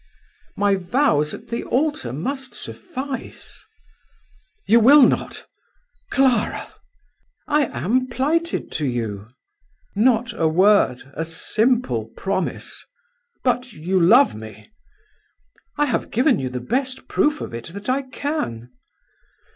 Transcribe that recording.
"My vows at the altar must suffice." "You will not? Clara!" "I am plighted to you." "Not a word? a simple promise? But you love me?" "I have given you the best proof of it that I can."